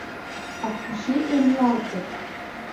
— А кузе эмлалтыт?